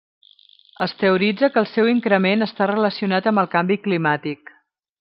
Es teoritza que el seu increment està relacionat amb el canvi climàtic.